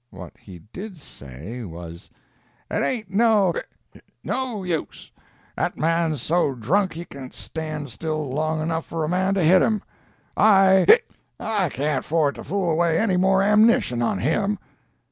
What he did say was: "It ain't no (hic) no use. 'At man's so drunk he can't stan' still long enough for a man to hit him. I (hic) I can't 'ford to fool away any more am'nition on him."